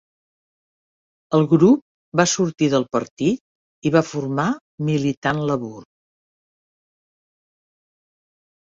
El grup va sortir del partit i va formar Militant Labour.